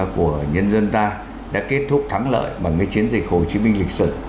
của nhân dân ta đã kết thúc thắng lợi bằng cái chiến dịch hồ chí minh lịch sử